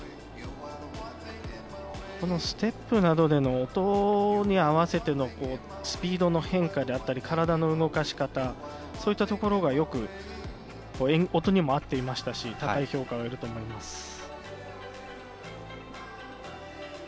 このステップなどでの音に合わせてのスピードの変化であったり、体の動かし方、そういったところがよく音にも合っていましたし、高い評価を得ると思います。